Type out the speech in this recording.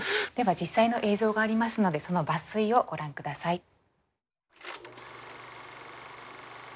では実際の映像がありますのでその抜粋をご覧下さい。